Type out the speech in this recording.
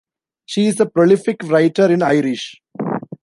She is a prolific writer in Irish.